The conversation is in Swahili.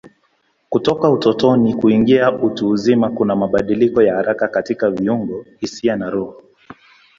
Kutoka utotoni kuingia utu uzima kuna mabadiliko ya haraka katika viungo, hisia na roho.